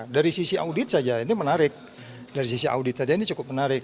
dari sisi audit saja ini menarik dari sisi audit saja ini cukup menarik